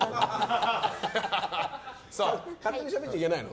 勝手にしゃべっちゃいけないの？